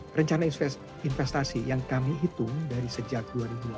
rencana investasi yang kami hitung dari sejak dua ribu delapan belas